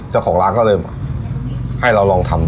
เจ้าของร้านก็เลยให้เราลองทำ